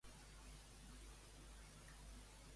No marxis, siusplau, estimo la teva presència.